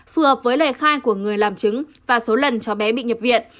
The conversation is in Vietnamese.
phù hợp với lời khai của người làm chứng và số lần cháu bé bị nhập viện